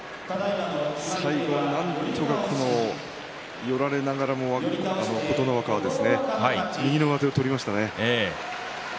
最後なんとか寄られながらも琴ノ若は右の上手を取りましたね。